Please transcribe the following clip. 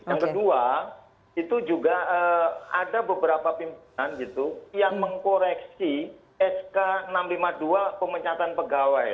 yang kedua itu juga ada beberapa pimpinan gitu yang mengkoreksi sk enam ratus lima puluh dua pemecatan pegawai